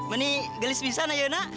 ini gelis bisa nek yona